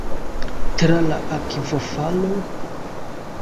Tra la akvofalo?